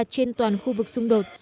trên toàn khu vực xung đột